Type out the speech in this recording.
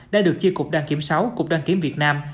đã được chi cục đăng kiểm sáu cục đăng kiểm việt nam